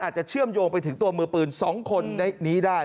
อาจจะเชื่อมโยงไปถึงตัวมือปืนสองคนในนี้ได้